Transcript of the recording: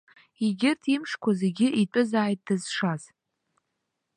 Егьырҭ имшқәа зегьы итәызааит дызшаз.